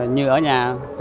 như ở nhà